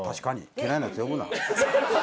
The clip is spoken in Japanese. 嫌いなヤツ呼ぶな。